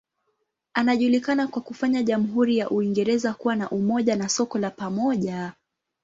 Anajulikana kwa kufanya jamhuri ya Uingereza kuwa na umoja na soko la pamoja.